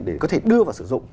để có thể đưa vào sử dụng